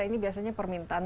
ini biasanya permintaan